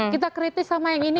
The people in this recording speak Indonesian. kita kritis sama yang ini